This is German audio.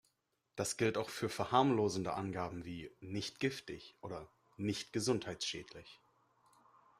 Das gilt auch für verharmlosende Angaben wie „nicht giftig“ oder „nicht gesundheitsschädlich“.